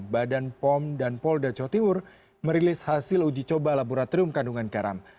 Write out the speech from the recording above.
badan pom dan polda jawa timur merilis hasil uji coba laboratorium kandungan garam